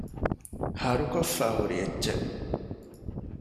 ހަރުކޮށްފައިހުރި އެއްޗެއް